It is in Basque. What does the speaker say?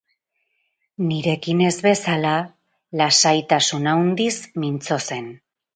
Nirekin ez bezala, lasaitasun handiz mintzo zen.